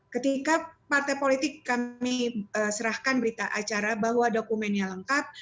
ketika partai politik kami serahkan berita acara bahwa dokumennya lengkap